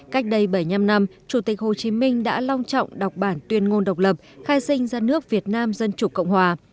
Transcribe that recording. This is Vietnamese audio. cách đây bảy mươi năm năm chủ tịch hồ chí minh đã long trọng đọc bản tuyên ngôn độc lập khai sinh ra nước việt nam dân chủ cộng hòa